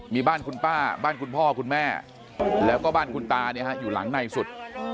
มีบ้านคุณป้าบ้านคุณพ่อคุณแม่แล้วก็บ้านคุณตาอยู่หลังในสุด